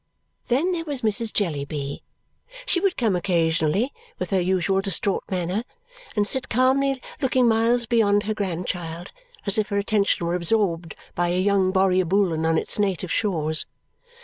Then there was Mrs. Jellyby. She would come occasionally, with her usual distraught manner, and sit calmly looking miles beyond her grandchild as if her attention were absorbed by a young Borrioboolan on its native shores.